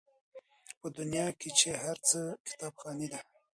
په دنیا کي چي هر څه کتابخانې دي